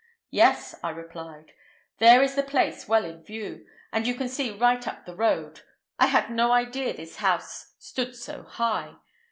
"Yes," I replied; "there is the place well in view, and you can see right up the road. I had no idea this house stood so high.